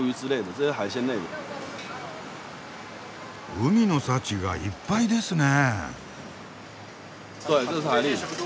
海の幸がいっぱいですね？